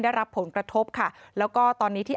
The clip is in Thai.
ได้รับผลกระทบค่ะแล้วก็ตอนนี้ที่